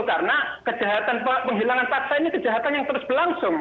karena kejahatan penghilangan paksa ini kejahatan yang terus berlangsung